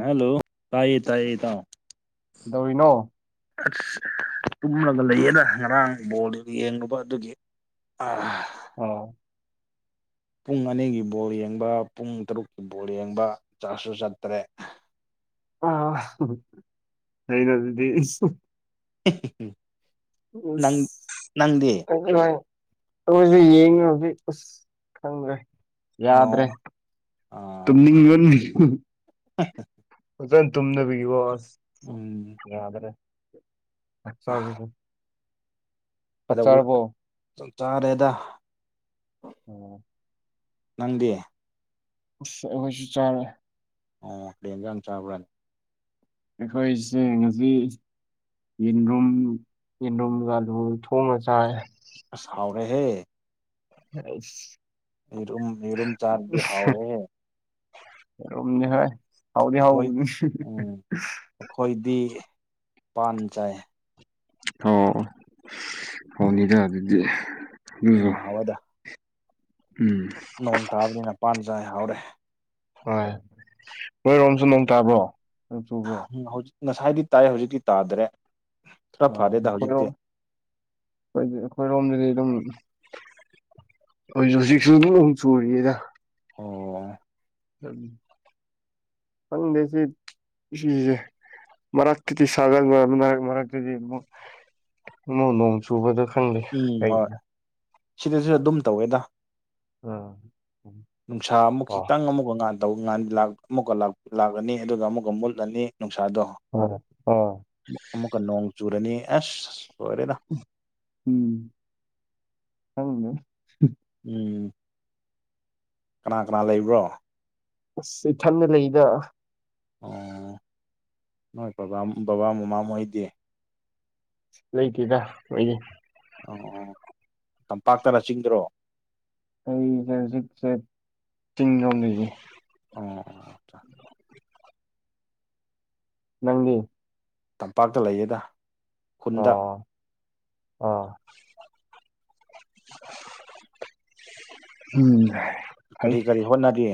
Hello ꯇꯥꯏ ꯇꯥꯏ ꯇꯥꯎ ꯇꯧꯔꯤꯅꯣ ꯑꯁ ꯇꯨꯝꯂꯒ ꯂꯩꯌꯦꯗ ꯉꯔꯥꯡ ꯕꯣꯜꯗꯨ ꯌꯦꯡꯉꯨꯕ ꯑꯗꯨꯒꯤ ꯑꯥ ꯑꯣ ꯄꯨꯡ ꯑꯅꯤꯒꯤ ꯕꯣꯜ ꯌꯦꯡꯕ ꯄꯨꯡ ꯇꯔꯨꯛꯀꯤ ꯕꯣꯜ ꯌꯦꯡꯕ ꯆꯥꯁꯨ ꯆꯠꯇ꯭ꯔꯦ ꯑ ꯍꯩ ꯅ ꯁꯤꯗꯤ ꯅꯪꯗꯦ ꯍꯣꯏ ꯑꯩꯏꯁꯨ ꯌꯦꯡꯉꯤ ꯍꯧꯖꯤꯛ ꯎꯁ ꯈꯪꯗ꯭ꯔꯦ ꯌꯥꯗ꯭ꯔꯦ ꯑꯣ ꯇꯨꯝꯅꯤꯡ ꯌꯣꯟꯅꯤ ꯑꯥ ꯑꯣꯖ ꯇꯨꯅ ꯒꯤꯕꯣꯁ ꯎꯝ ꯌꯗꯔꯦ ꯍꯛꯆꯥꯡ ꯀꯩꯗ ꯆꯥꯔꯦꯗ ꯑꯣꯝ ꯅꯪꯗꯤ ꯍꯣꯏ ꯆꯥꯔꯦ ꯑꯣ ꯀꯩꯑꯦꯟꯖꯥꯡ ꯆꯥꯕ꯭ꯔꯥꯅꯤ ꯑꯩꯈꯣꯏꯁꯦ ꯉꯁꯤ ꯌꯦꯟꯗꯨꯝ ꯌꯦꯟꯗꯨꯝꯒꯥ ꯂꯣꯡ ꯊꯣꯡꯉ ꯆꯥꫪꯦ ꯑꯁ ꯍꯥꯎꯔꯦꯍꯦ ꯍ [unintelligible] ꯌꯦꯔꯨꯝ ꯌꯦꯔꯨꯝ ꯆꯥꯔꯗꯤ ꯍꯥꯎꯋꯦꯍꯦ ꯌꯦꯔꯨꯝꯅꯦꯍꯦ ꯍꯥꯎꯗꯤ ꯑꯩꯈꯣꯏ ꯍꯥꯎꯕꯅꯦ ꯎꯝ ꯑꯩꯈꯣꯏꯗꯤ ꯄꯥꯟ ꯆꯥꯏ ꯑꯣ ꯍꯥꯎꯅꯤꯗ ꯑꯗꯨꯗꯤ ꯑꯗꯨꯁꯨ ꯎꯝ ꯍꯥꯎꯋꯦꯗ ꯎꯝ ꯅꯣꯡ ꯇꯥꯕꯅꯤꯅ ꯄꯥꯟ ꯆꯥꯏ ꯍꯥꯎꯔꯦ ꯍꯣꯏ ꯅꯣꯏꯔꯣꯝꯁꯨ ꯅꯣꯡ ꯇꯥꯕ꯭ꯔꯣ ꯅꯣꯡ ꯆꯨꯕ꯭ꯔꯣ ꯍꯧꯖꯤꯛ ꯉꯁꯥꯏꯗꯤ ꯇꯥꯏ ꯍꯧꯖꯤꯛꯇꯤ ꯇꯥꯗ꯭ꯔꯦ ꯈꯔ ꯑ ꯐꯔꯦꯗ ꯍꯧꯖꯤꯛꯇꯤ ꯑꯩꯈꯣꯏꯔꯣꯝ ꯑꯩꯈꯣꯏꯔꯣꯝꯗꯗꯤ ꯑꯗꯨꯝ ꯍꯧꯁꯨ ꯍꯧꯖꯤꯛꯁꯨ ꯑꯗꯨꯝ ꯑꯃꯨꯛ ꯆꯨꯔꯤꯌꯦꯗ ꯑꯣ ꯈꯪꯗꯦꯁꯤ ꯁꯤꯁꯦ ꯃꯔꯛꯇꯗꯤ ꯁꯥꯒꯔ ꯃꯔꯛꯊꫪꯇꯗꯤ ꯁꯨꯕꯗ ꯈꯪꯗꯦ ꯎꯝ ꯀꯩ ꯍꯣꯏ ꯁꯤꯗꯁꯨ ꯑꯗꯨꯝ ꯇꯧꯋꯦꯗ ꯑꯥ ꯅꯨꯡꯁꯥ ꯑꯃꯨꯛ ꯑꯣ ꯈꯤꯇꯪ ꯑꯃꯨꯛꯀꯉꯥꯟ ꯑꯃꯨꯛꯀ ꯂꯥꯛꯑꯅꯤ ꯑꯗꯨꯒ ꯑꯃꯨꯛꯀ ꯃꯨꯠꯂꯅꯤ ꯅꯨꯡꯁꯥꯗꯣ ꯍ ꯑꯣ ꯑꯃꯨꯛꯀ ꯅꯣꯡ ꯆꯨꯨꯔꯅꯤ ꯑꯦꯁ ꯂꯣꯏꯔꯦꯗ ꯎꯝ ꯈꯪꯗꯦ ꯎꯝ ꯀꯅꯥ ꯀꯅꯥ ꯂꯩꯕ꯭ꯔꯣ ꯑꯁ ꯏꯊꯟꯇ ꯂꯩꯗ ꯑꯣ ꯅꯣꯏꯕꯥ ꯕꯕꯥ ꯃꯃꯥ ꯃꯣꯏꯗꯤ ꯂꯩꯇꯦꯗ ꯃꯣꯏꯗꯤ ꯑꯣ ꯑꯣ ꯇꯝꯄꯥꯛꯇꫪꯣ ꯆꯤꯡꯗ꯭ꯔꯣ ꯑꯩꯁꯦ ꯍꯧꯖꯤꯛꯁꯦ ꯆꯤꯡ ꯂꯣꯝ ꯂꯩꯌꯦ ꯑꯣ ꯆꯥ ꯅꯪꯗꯤ ꯇꯝꯄꯥꯛꯇ ꯂꯩꯌꯦꯗ ꯈꯨꯟꯗ ꯑꯣ ꯑꯣ [unintelligible] ꯀꯔꯤ ꯀꯔꯤ ꯍꯣꯠꯅꯔꯤ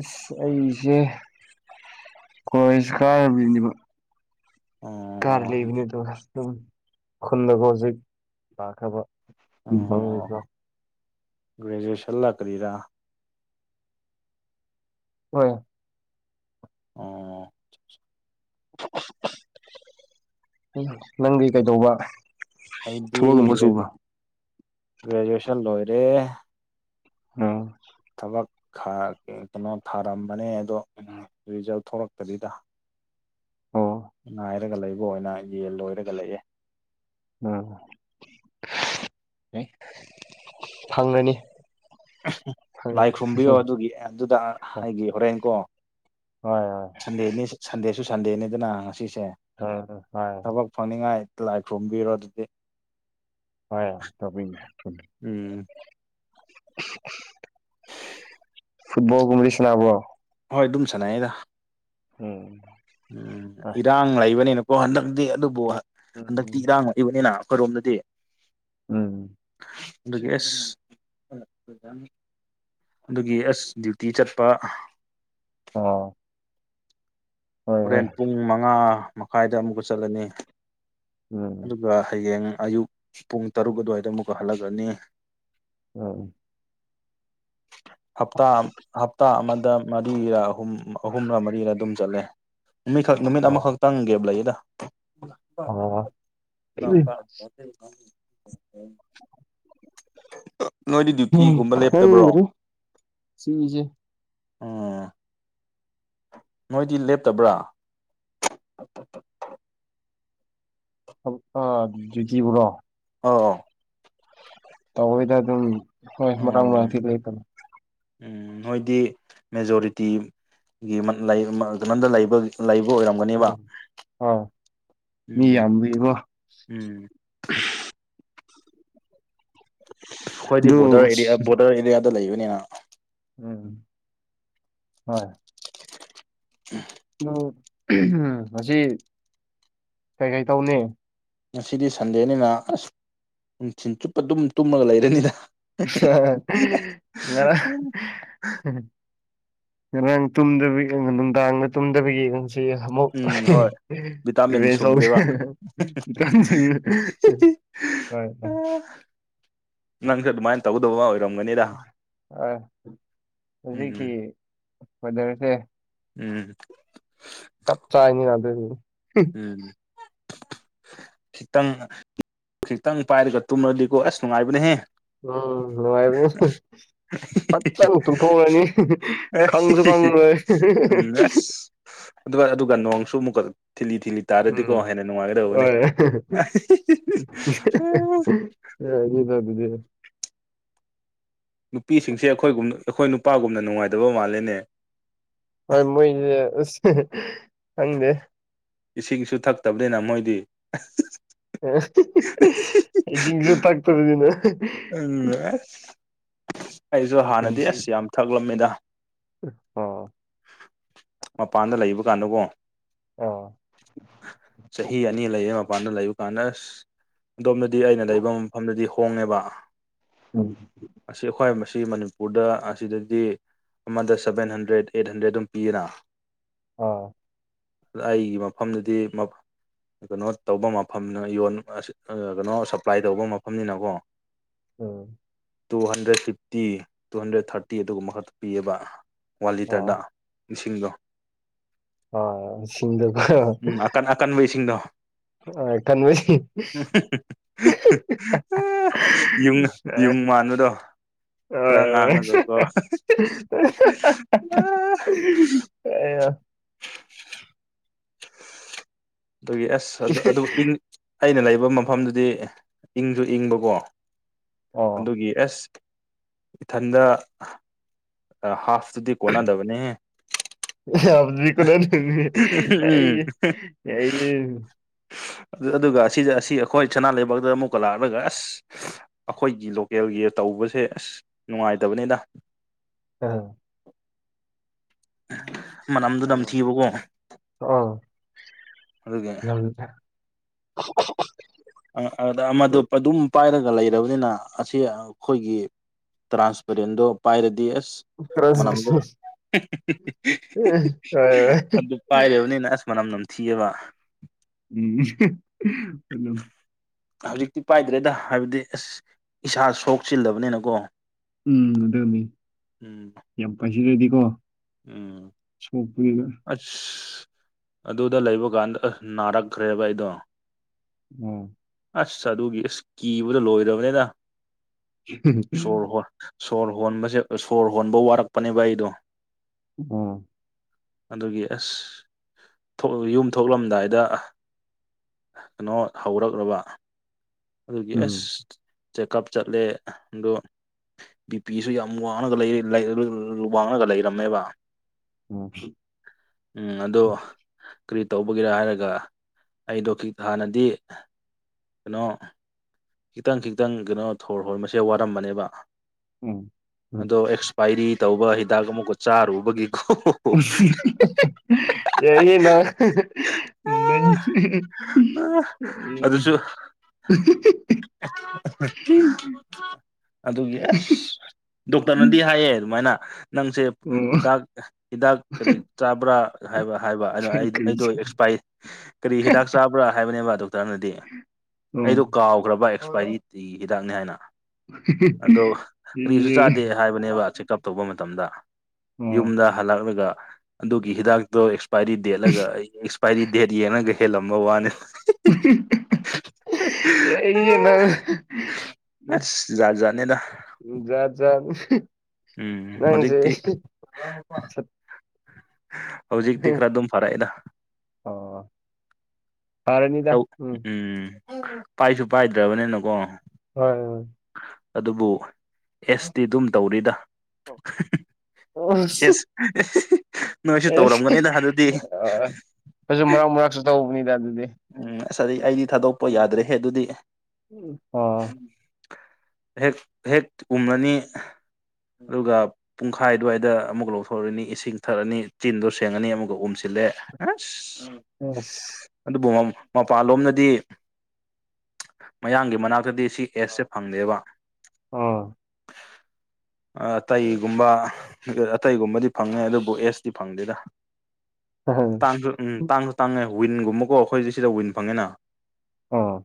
ꯑꯁ ꯑꯩꯁꯦ ꯀꯣꯂꯦꯖ ꯀꯥꯕꯤꯅꯦꯕ ꯀꯥꯔ ꯑꯣ ꯂꯩꯕꯅꯤꯗꯨꯒ ꯑꯗꯨꯝ ꯈꯨꯟꯗꯒ ꯍꯧꯖꯤꯛ ꯂꯥꯈ꯭ꯔꯕ [unintelligible] ꯒ꯭ꯔꯦꯖꯨꯌꯦꯁꯟ ꯂꯥ ꯀꯔꯤꯔ ꯍꯣꯏ ꯑꯣ [unintelligible] ꯅꯪꯗꯤ ꯀꯩꯗꯧꯕ ꯑꯩꯗꯤ ꯊꯕꯛꯒꯨꯝꯕ ꯒ꯭ꯔꯦ ꯁꯨꯕ꯭ꯔꯣ ꯒ꯭ꯔꯦꯖꯨꯑꯦꯁꯟ ꯂꯣꯏꯔꯦ ꯎꯝ ꯊꯕꯛ ꯀꯩꯅꯣ ꯊꯥꯔꯝꯕꯅꯦ ꯑꯗꯣ ꯔꯤꯖꯜ ꯊꯣꯂꯛꯇ꯭ꯔꯤꯗ ꯑꯣ ꯉꯥꯏꯔꯒ ꯂꯩꯕ ꯑꯣꯏꯅ ꯌꯦꯟ ꯂꯣꯏꯔꯒ ꯂꯩꯑꯦ ꯎꯝ [unintelligible] ꯐꯪꯒꯅꯤ ꯂꯥꯏ ꯈꯨꯔꯨꯝꯕꯤꯌꯣ ꯑꯗꯨꯒꯤ ꯑꯗꯨꯗ ꯑꯩꯒꯤ ꯍꯣꯔꯦꯟꯀꯣ ꯍꯣꯏ ꯍꯣꯏ ꯁꯟꯗꯦꯅꯤ ꯁꯟꯗꯦꯁꯨ ꯁꯟꯗꯦꯅꯤꯗꯅ ꯉꯁꯤꯁꯦ [unintelligible] ꯍꯣꯏ ꯊꯕꯛ ꯐꯪꯅꯤꯡꯉꯥꯏ ꯂꯥꯏ ꯈꯨꯣꯝꯕꯤꯔꯣ ꯑꯗꯨꯗꯤ ꯍꯣꯏ [unintelligible] ꯎꯝ ꯐꯨꯠꯕꯜꯒꯨꯝꯗꯤ ꯁꯅꯥꯕ꯭ꯔꯣ ꯍꯣꯏ ꯑꯗꯨꯝ ꯁꯥꯟꯅꯩꯗ ꯎꯝ ꯎꯝ ꯍꯣꯏ ꯏꯔꯥꯡ ꯂꯩꯕꯅꯤꯅꯀꯣ ꯍꯟꯗꯛꯇꯤ ꯑꯗꯨꯕꯨ ꯍꯟꯗꯛꯇꯤ ꯎꯝ ꯏꯔꯥꯡ ꯂꯩꯕꯅꯤꯅ ꯑꯩꯈꯣꯏꯔꯣꯝꯗꯗꯤ ꯎꯝ ꯑꯗꯨꯒꯤ ꯑꯦꯁ ꯑꯗꯨꯒꯤ ꯑꯦꯁ ꯗ꯭ꯌꯨꯇꯤ ꯆꯠꯄ ꯑꯣ ꯍꯣꯏ ꯍꯣꯏ ꯍꯣꯔꯦꯟ ꯄꯨꯡ ꯃꯉꯥ ꯃꯈꯥꯏꯗ ꯑꯃꯨꯛꯀ ꯆꯠꯂꯅꯤ ꯎꯝ ꯑꯗꯨꯒ ꯍꯌꯦꯡ ꯑꯌꯨꯛ ꯄꯨꯡ ꯇꯔꯨꯛ ꯑꯗꯨꯋꯥꯏꯗ ꯑꯃꯨꯛꯀ ꯍꯜꯂꯛꯂꯅꯤ [unintelligible] ꯍꯞꯇꯥ ꯍꯞꯇꯥ ꯑꯃꯗ ꯃꯔꯤꯔ ꯑꯍꯨꯝ ꯑꯍꯨꯝꯔ ꯃꯔꯤꯔ ꯑꯗꯨꯝ ꯆꯠꯂꯦ ꯅꯨꯃꯤꯠꯈꯛ ꯅꯨꯃꯤꯠ ꯑꯣ ꯑꯃꯈꯛꯇꯪ ꯒꯦꯕ ꯂꯩꯌꯦꯗ ꯑꯣ [inaudible] ꯅꯣꯏꯗꯤ ꯗ꯭ꯌꯨꯇꯤꯒꯨꯝꯕ ꯂꯦꯞꯇꯕ꯭ꯔꯣ ꯁꯤꯁꯦ ꯎꯝ ꯅꯣꯏꯗꯤ ꯂꯦꯞꯇꯕ꯭ꯔꯥ [unintelligible] ꯑ ꯗ꯭ꯌꯨꯇꯤꯕꯨꯔꯣ ꯑꯧ ꯇꯧꯋꯦꯗ ꯑꯗꯨꯝ ꯍꯣꯏ ꯃꯔꯛ ꯎꯝ ꯃꯔꯛꯇꯤ ꯂꯦꯞꯄ ꯅꯣꯏꯗꯤ ꯃꯦꯖꯣꯔꯤꯇꯤꯒꯤ [unintelligible] ꯀꯩꯅꯣꯗ ꯂꯩꯕ ꯂꯩꯕ ꯑꯣꯏꯔꯝꯒꯅꯤꯕ ꯎꯝ ꯍꯣꯏ ꯃꯤ ꯎꯝ ꯌꯥꯝꯕꯒꯤꯀꯣ ꯎꯝ ꯑꯩꯈꯣꯏꯗꯤ ꯑꯗꯨ ꯕꯣꯔꯗꯔ ꯑꯦꯔꯤꯌꯥ ꯕꯣꯔꯗꯔ ꯑꯦꯔꯤꯌꯥꯗ ꯂꯩꯕꯅꯤꯅ ꯎꯝ ꯍꯣꯏ ꯎꯝ ꯉꯁꯤ ꯀꯩ ꯀꯩ ꯇꯧꯅꯤ ꯉꯁꯤꯗꯤ ꯁꯟꯗꯦꯅꯤꯅ ꯑꯁ ꯅꯨꯡꯊꯤꯟꯜ ꯆꯨꯞꯄ ꯑꯗꯨꯝ ꯇꯨꯝꯃꯒ ꯂꯩꯔꯅꯤꯅ [unintelligible] ꯉꯔꯥꯡ ꯇꯨꯝꯗꯕꯒꯤ ꯅꯨꯡꯗꯥꯡꯗ ꯇꯨꯝꯗꯕꯤꯒꯤ ꯁꯃꯣ ꯎꯝ ꯍꯣꯏ ꯚꯤꯇꯥꯃꯤꯟ ꯔꯤꯃꯦꯁ ꯁꯨꯡꯒꯦꯕ ꯏ [unintelligible] ꯍꯣꯏ ꯍꫭꯏ ꯅꯪ ꯑꯗꯨ ꯃꯥꯥꯏꯅ ꯇꯧꯒꯗꯕ ꯑꯣꯏꯔꯝꯒꯅꯤꯗ ꯑꯥꯏ ꯎꯝ ꯍꯧꯖꯤꯛꯀꯤ ꯋꯦꯗꯔꯁꯦ ꯎꯝ ꯆꯞ ꯆꯥꯏꯅꯤ ꯌꯥꯗꯨꯏꯅꯤ ꯎꯝ ꯈꯤꯇꯪ ꯈꯤꯇꯪ ꯄꯥꯏꯔꯒ ꯇꯨꯝꯂꯗꯤꯀꯣ ꯑꯁ ꯅꯨꯡꯉꯥꯏꯕꯅꯦꯍꯦ ꯎꯝ ꯅꯨꯡꯉꯥꯏꯕꯅꯦ ꯐꯠꯆꯪ ꯊꯨꯝꯊꫭꯛꯔꯅꯤ ꯈꯪꯁꯨ ꯈꯪꯂꫭꯏ ꯎꯝ ꯑꯁ ꯑꯗꯨꯒ ꯑꯗꯨꯒ ꯅꯣꯡꯁꯨ ꯑꯃꯨꯛꯀ ꯊꯤꯜꯂꯤ ꯊꯤꯜꯂꯤ ꯇꯥꯔꯗꯤꯀꯣ ꯍꯦꯟꯅ ꯅꯨꯡꯉꯥꯏꯒꯗꯕꯅꯦ ꯊ ꯑꯗꯨꯗꯤ [unintelligible] ꯅꯨꯄꯤꯁꯤꯡꯁꯦ ꯑꯩꯈꯣꯏꯒꯨꯝ ꯑꯩꯈꯣꯏ ꯅꯨꯄꯥꯒꯨꯝꯅ ꯅꯨꯡꯉꯥꯏꯗꯕ ꯃꯥꯜꯂꯦꯅꯦ ꯍꯣꯏ ꯃꯣꯏꯁꯦ ꯑꯁ ꯈꯪꯗꯦ ꯏꯁꯤꯡꯁꯨ ꯊꯛꯇꯕꯅꯤꯅ ꯃꯣꯏꯗꯤ ꯏꯁꯤꯡꯁꯨ ꯊꯛꯇꯕꯅꯤꯅ ꯎꯝ ꯑꯁ ꯑꯩꯖꯨ ꯍꯥꯟꯅꯗꯤ ꯄꯨꯟꯁꯤ ꯑꯁ ꯌꯥꯝ ꯊꯛꯂꯝꯃꯤꯗ ꯑꯥ ꯃꯄꯥꯟꯗ ꯂꯩꯕ ꯀꯥꯟꯗꯀꯣ ꯑꯥ ꯆꯍꯤ ꯑꯅꯤ ꯂꯩꯌꯦ ꯃꯄꯥꯟꯗ ꯂꯩꯕ ꯀꯥꯟꯗ ꯑꯁ ꯗꯣꯝꯗꯗꯤ ꯑꯩꯅ ꯂꯩꯕ ꯃꯐꯝꯗꯗꯤ ꯍꯣꯡꯉꯦꯕ ꯎꯝ ꯑꯁꯤ ꯑꯩꯈꯣꯏ ꯃꯁꯤ ꯃꯅꯤꯄꯨꯔꯗ ꯑꯁꯤꯗꯗꯤ ꯑꯃꯗ ꯁꯕꯦꯟ ꯍꯟꯗ꯭ꯔꯦ ꯑꯦꯠ ꯍꯟꯗ꯭ꯔꯦꯠ ꯑꯗꯨꯝ ꯄꯤꯌꯦꯅ ꯑꯥ ꯑꯩꯒꯤ ꯃꯐꯝꯗꯗꯤ ꯃꯐꯝ ꯀꯩꯅꯣ ꯇꯧꯕ ꯃꯐꯝꯅ ꯌꯣꯟ ꯑꯁꯤꯠ ꯀꯩꯅꯣ ꯁꯄ꯭ꯂꯥꯏ ꯇꯧꯕ ꯃꯐꯝꯅꯤꯅꯀꯣ ꯎꯝ two hundred fifty two hundred thirty ꯑꯗꯨꯒꯨꯝꯕ ꯈꯛꯇ ꯄꯤꯌꯦꯕ ꯋꯥꯟ ꯑꯥ ꯂꯤꯇꯔꯗ ꯏꯁꯤꯡꯗꯣ ꯑ ꯁꯤꯁꯤꯡꯗꯒ ꯎꯝ ꯑꯀꯟ ꯑꯀꯟꯕ ꯏꯁꯤꯡꯗꯣ ꯑ [unintelligible] ꯌꯨꯡ ꯌꯨꯡ ꯃꯥꯟꯕꯗꯣ ꯍꯣꯏ ꯈꯔ ꯍꯣꯏ ꯉꯥꯡꯔꯒ ꯑꯣ [unintelligible] ꯑꯗꯨꯒꯤ ꯑꯁ ꯑꯗꯨ -ꯑꯗꯨ ꯏꯪ ꯑꯩꯅ ꯂꯩꯕ ꯃꯐꯝꯗꯨꯗꯤ ꯏꯪꯖꯨ ꯏꯪꯕꯀꯣ ꯑꯣ ꯑꯗꯨꯒꯤ ꯑꯦꯁ ꯏꯊꯟꯗ ꯑ ꯍꯥꯄꯇꯨꯗꯤ ꯀꯣꯟꯅꯗꯕꯅꯦꯍꯦ ꯎꯝ [unintelligible] ꯑꯗꯨꯒ ꯑꯗꯤꯖ ꯑꯁꯤ ꯑꯩꯈꯣꯏ ꯁꯅꯥ ꯂꯩꯕꯥꯛꯇꯗ ꯑꯃꯨꯛꯀ ꯂꯥꯛꯂꯒ ꯑꯁ ꯑꯩꯈꯣꯏꯒꯤ ꯂꯣꯀꯦꯜꯒꯤ ꯇꯧꯕꯁꯦ ꯑꯁ ꯅꯨꯡꯉꯥꯏꯇꯕꯅꯤꯗ꯫ ꯎꯝ ꯃꯅꯝꯗꯨ ꯅꯝꯊꯤꯕꯀꯣ ꯑꫭ ꯑꯗꯨꯒꯤ ꯅꯝꯃꯤ ꯑ ꯑꯥꯗ ꯑꯃꯗꯨ ꯑꯗꯨꯝ ꯄꯥꯏꯔꯒ ꯂꯩꯔꯕꯅꯤꯅ ꯑꯁꯤ ꯑꯈꯣꯏꯒꯤ ꯇ꯭ꯔꯥꯟꯁꯄꯔꯦꯟꯗꯣ ꯄꯥꯏꯔꯗꯤ ꯑꯁ ꯃꯅꯝꯗꯣ [inaudible] [inaudible] ꯊꯤꯌꯦꯕ_ _ [unintelligible] ꯍꯧꯖꯤꯛꯇꯤ ꯄꯥꯏꯗ꯭ꯔꯦꯗ ꯍꯥꯏꯕꯗꯤ ꯑꯁ ꯏꯁꯥ ꯁꯣꯛꯆꯤꯜꯂꯕꯅꯤꯅꯀꯣ꯫ ꯎꯝ ꯑꯗꯨꯅꯤ ꯌꯥꯝ ꯄꯥꯏꯁꯤꯜꯂꯗꯤꯀꯣ꯫ [unintelligible] ꯑꯁ ꯑꯗꯨꯗ ꯂꯩꯕ ꯀꯥꯟꯗ ꯑ ꯅꯥꯔꯛꯈ꯭ꯔꯦꯕ ꯑꯩꯗꯣ ꯫ [unintelligible] ꯑꯁ ꯑꯗꯨꯒꯤ ꯑꯁ ꯀꯤꯕꯗ ꯂꯣꯏꯔꯕꯅꯤꯗ ꯁꯣꯔ ꯍꯣꯔ_ _ ꯁꯣꯔ ꯍꯣꯟꯕꯖꯦ ꯁꯣꯔ ꯍꯣꯟꯕ ꯋꯥꯔꯛꯄꯅꯦꯕ ꯑꯩꯗꯣ꯫ [unintelligible] ꯑꯗꯨꯒꯤ ꯑꯁ ꯊꯣꯛꯑꯒ ꯌꯨꯝ ꯊꯣꯛꯂꯝꯗꯥꯏꯗ_ _ ꯀꯅꯣ ꯍꯧꯔꯛꯂꯕ_ _ ꯑꯗꯨꯒꯤ ꯑꯦꯁ ꯆꯦꯛꯀꯞ ꯆꯠꯂꯦ ꯑꯗ_ _ ꯕꯤ ꯄꯤꯁꯨ ꯌꯥꯝ ꯋꯥꯡꯂꯒ ꯂꯩꯔꯦ [unintelligible] ꯋꯥꯡꯉꯒ ꯂꯩꯔꯝ꯫ꯃꯦꯕ ꯎꯝ ꯑꯗꯣ_ _ ꯀ꯭ꯔꯤ ꯇꯧꯕꯒꯤꯔ ꯍꯥꯏꯔꯒ ꯑꯩꯗꯣ ꯈꯤ ꯍꯥꯟꯅꯗꯤ_ - ꯀꯩꯅꯣ ꯈꯤꯇꯪ ꯈꯤꯇꯪ ꯀꯩꯅꯣ ꯊꯣꯔ ꯍꯣꯟ ꯃꯁꯦ ꯋꯥꯔꯝꯃꯅꯦꯕ ꯎꯝ ꯑꯗꯣ ꯑꯦꯛꯁꯄꯥꯏꯔꯤ ꯇꯧꯕ ꯍꯤꯗꯥꯛ ꯑꯃꯨꯛꯀ ꯆꯥꯔꯨꯕꯒꯤꯀꯣ ꯌꯥꯢꯍꯦ ꯅꯪ [inaudible] ꯑꯗꯨꯁꯨ [unintelligible] ꯑꯗꯨꯒꯤ ꯑꯁ ꯗꯣꯛꯇꯔꯅꯗꯤ ꯍꯥꯏꯌꯦ ꯑꯗꯨꯃꯥꯏꯅ ꯅꯪꯁꯦ ꯍꯤꯗꯥꯛ ꯍꯤꯗꯥꯛ ꯀꯔꯤ ꯆꯥꯕ꯭ꯔꯥ ꯍꯥꯏꯕ ꯍꯥꯏꯕ ꯑꯗꯣ ꯑꯩꯗꯣ ꯑꯦꯛꯁ ꯀꯔꯤ ꯍꯤꯗꯥꯛ ꯆꯥꯕ ꯕ꯭ꯔꯥ ꯍꯥꯏꯕꯅꯦꯕ ꯗꯣꯛꯇꯔꯅꯗꯤ ꯑꯩꯗꯣ ꯀꯥꯎꯒ꯭ꯔꯕ ꯑꯦꯛꯁꯄꯥꯏꯔꯤ ꯍꯤꯗꯥꯛꯅꯤ ꯍꯥꯏꯅ ꯑꯗꯣ ꯀꯔꯤꯁꯨ ꯆꯥꯗꯦ ꯍꯥꯏꯕ ꯕꯅꯦꯕ ꯆꯦꯛꯀꯞ ꯇꯧꯕ ꯃꯇꯝꯗ ꯌꯨꯝꯗ ꯍꯂꯛꯂꯒ ꯑꯗꯨꯒꯤ ꯍꯤꯗꯥꯛꯇꯣ ꯑꯦꯛꯁ ꯄꯥꯏꯔꯤ ꯗꯦꯠꯂꯒ ꯑꯩ ꯑꯦꯛꯁꯄꯥꯏꯔꯤ ꯗꯦꯠ ꯌꯦꯡꯉꯒ ꯍꯦꯜꯂꯝꯕ ꯋꯥꯅꯤ ꯑꯁ ꯖꯥꯠ ꯖꯥꯠꯅꯤꯗ [inaudible] ꯖꯥꯠ ꯖꯥꯠꯅꯤ ꯎꯝ ꯍꯧꯖꯤꯛꯇꯤ ꯁꯠ ꯍꯧꯖꯤꯛꯇꯤ ꯈꯔ ꯑꯗꯨꯝ ꯐꯔꯛꯑꯦꯗ ꯑꯣ ꯐꯔꯅꯤꯗ ꯎꯝ ꯄꯥꯏꯁꯨ ꯄꯥꯏꯗ꯭ꯔꯕꯅꯤꯅꯀꯣ ꯍꯣꯏ ꯍꯣꯏ ꯑꯗꯨꯕꯨ ꯑꯦꯁꯇꯤ ꯑꯗꯨꯝ ꯇꯧꯔꯤꯗ ꯑꯣ ꯑꯦꯁ ꯅꯣꯏꯁꯨ ꯇꯧꯔꯝꯒꯅꯤꯗ ꯑꯗꯨꯗꯤ ꯑꯩꯁꯨ ꯃꯔꯥꯛ ꯃꯔꯥꯛꯁꯨ ꯇꯧꯕꯅꯤꯗ ꯑꯗꯨꯗꯤ ꯎꯝ ꯑꯁ ꯑꯩꯗꯤ ꯊꯥꯗꯣꯛꯄ ꯌꯥꯗ꯭ꯔꯦꯍꯦ ꯑꯗꯨꯗꯤ ꯑꯣ ꯍꯦꯛ ꯍꯦꯛ ꯎꯝꯃꯅꯤ ꯑꯗꯨꯒ ꯄꯨꯡꯈꯥꯏ ꯑꯗꯨꯋꯥꯏꯗ ꯑꯃꯨꯛꯀ ꯂꯧꯊꯣꯛꯎꯔꯅꯤ ꯏꯁꯤꯡ ꯊꯛꯑꯅꯤ ꯆꯤꯟꯗꯣ ꯁꯦꯡꯉꯅꯤ ꯑꯃꯨꯛꯀ ꯎꯝꯁꯤꯜꯂꯦ ꯑꯁ [inaudible] ꯑꯗꯨꯕꯨ ꯃꯄꯥꯟꯂꯣꯝꯅꯗꯤ ꯃꯌꯥꯡꯒꯤ ꯃꯅꯥꯛꯇꯗꯤ ꯁꯤ ꯀꯦꯁꯁꯦ ꯐꯪꯗꯦꯕ ꯑꯣ [inaudible] ꯑꯇꯩꯒꯨꯝꯕ ꯑꯇꯩꯒꯨꯝꯕꯗꯤ ꯐꯪꯉꯦ ꯑꯗꯨꯕꯨ ꯑꯦꯁꯇꯤ ꯐꯪꯗꯦꯗ ꯑꯍꯡ ꯑꯗꯨ ꯎꯪ ꯇꯥꯡꯖꯨ ꯇꯥꯡꯉꯦ ꯋꯤꯟꯒꯨꯝꯕꯀꯣ ꯑꯩꯈꯣꯏꯖꯤꯛ ꯁꯤꯗ ꯋꯤꯟ ꯐꯪꯉꯦꯅ ꯑꯥ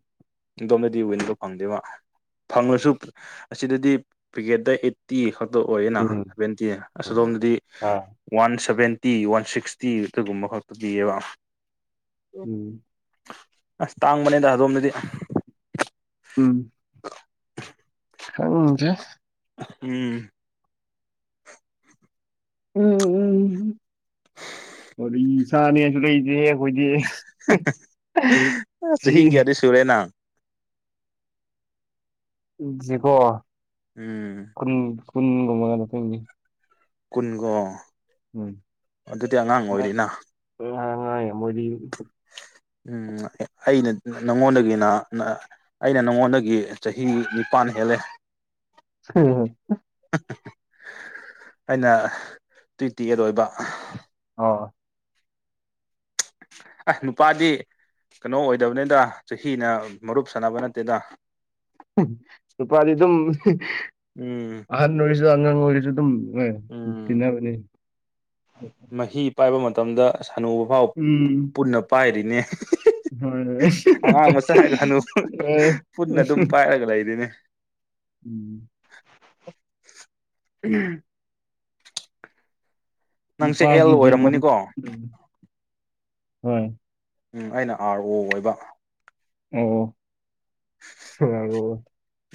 ꯗꯨꯗꯣꯝꯗꯗꯤ ꯋꯤꯟꯗꯣ ꯐꯪꯗꯦꯕ ꯐꯪꯂꯁꯨ ꯑꯁꯤꯗꯗꯤ ꯄꯤꯀꯦꯠꯇ ꯑꯦꯠ ꯇꯤ ꯈꯛꯇ ꯑꯣꯏꯌꯦꯅ ꯎꯝ ꯁꯚꯦꯟꯇꯤ ꯑꯁꯣꯂꯣꯝꯗꯗꯤ ꯑꯥ ꯋꯥꯟ ꯁꯚꯦꯟꯇꯤ ꯋꯥꯟ ꯁꯤꯛꯁꯇꯤ ꯑꯗꯨꯒꯨꯝꯕ ꯈꯛꯇ ꯄꯤꯌꯦꯕ ꯎꯝ ꯑꯁ ꯇꯥꯡꯕꯅꯦꯗ ꯑꯗꯣꯝꯗꯗꯤ ꯎꯝ ꯈꯪꯗꯦ ꯎꯝ ꯎꯝ ꯎꯝ ꯀꯔꯤ ꯆꯥꯅꯤ ꯑꯗꯨꯗꯩꯗꯤ ꯑꯩꯈꯣꯏꯗꯤ ꯖꯤ ꯇꯨꯔꯦꯅꯥ ꯖꯤꯀꯣ ꯎꯝ ꯀꯨꯟ ꯀꯨꯟ ꯒꯨꯃꯥꯏꯅ ꯀꯩꯅꯣ ꯀꯨꯟꯒꯣ ꯑꯗꯨꯗꯤ ꯑꯉꯥꯡ ꯑꯣꯏꯔꯤꯅ ꯎꯝꯉꯥꯏ ꯃꯗꯤ [unintelligible] ꯎꯝ ꯑꯩꯅ ꯅꯪꯉꯣꯟꯗꯒꯤꯅ ꯅ ꯑꯩꯅ ꯅꯉꯣꯟꯗꯒꯤ ꯆꯍꯤ ꯅꯤꯄꯥꯟ ꯍꯦꯜꯂꯦ ꯍꯝ ꯍꯝ ꯑꯩꯅ ꯇ꯭ꯨꯋ ꯇꯤ ꯑꯦ ꯂꯣꯏꯕ ꯑꯣ ꯑꯦ ꯅꯨꯄꯥꯗꯤ ꯀꯩꯅꯣ ꯑꯣꯏꯗꯕꯅꯤꯗ ꯆꯍꯤꯅ ꯃꯔꯨꯞ ꯁꯥꯟꯅꯕ ꯅꯠꯇꯦꯗ ꯍꯝ ꯅꯨꯄꯥꯗꯤ ꯑꯗꯨꯝ ꯎꯝ ꯑꯍꯟ ꯑꯣꯏꯔꯁꯨ ꯑꯉꯥꯡ ꯑꯣꯏꯔꯁꯨ ꯑꯗꯨꯝ ꯍ ꯎꯝ ꯇꯤꯟꯅꯕꯅꯤ ꯃꯍꯤ ꯄꯥꯏꯕ ꯃꯇꯝꯗ ꯁꯅꯨꯕ ꯐꯥꯎ ꯎꯝ ꯄꯨꯟꯅ ꯄꯥꯏꯔꯤꯅꯦ ꯍꯣꯏ ꯑꯉꯥꯡ ꯃꯆꯥꯒ ꯍꯅꯨꯕꯒ ꯍꯣꯏ ꯑ ꯄꯨꯟꯅ ꯑꯗꯨꯝ ꯄꯥꯏꯔꯒ ꯂꯩꯔꯤꯅꯦ ꯎꯝ ꯅꯪꯁꯦ ꯑꯦꯜ ꯅꯨꯄꯥꯁꯤꯡꯁꯦ ꯃꯔꯨꯞ ꯑꯣꯏꯔꯝꯒꯅꯤꯀꯣ ꯗꯨꯝ ꯍꯣꯏ ꯎꯝ ꯑꯩꯅ ꯑꯥꯔ ꯑꯣ ꯑꯣꯏꯕ ꯑꯣ ꯁꯋꯥꯔꯣ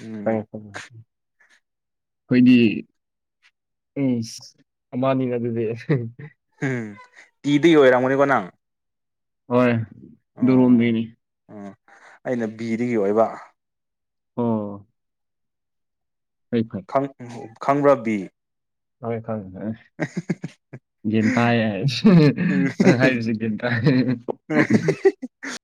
ꯎꯝ ꯈꯪꯉꯦ ꯈꯪꯉꯦ ꯑꯩꯈꯣꯏꯗꯤ ꯎꯝ ꯑꯃꯍꯅꯤꯅ ꯑꯗꯨꯗꯤ ꯑꯝ ꯇꯤꯚꯤ ꯑꯣꯏꯔꯝꯒꯅꯤꯀꯣ ꯅꯪ ꯍꯣꯏ ꯗꯨꯒꯨꯝꯕꯤꯅꯤ ꯑ ꯑꯩꯅ ꯕꯤꯗꯤ ꯑꯣꯏꯕ ꯑꯣ ꯐꯩ ꯐꯩ ꯈꯪ ꯈꯪꯕ꯭ꯔ ꯕꯤ ꯈꯪꯉꯦ ꯈꯪꯉꯦ ꯉꯦ ꯒꯟ ꯇꯥꯏꯌꯦ ꯍꯥꯏꯁꯦ ꯎꯝ ꯅꯪ ꯍꯥꯏꯔꯤꯁꯤ ꯒꯦꯟ ꯇꯥ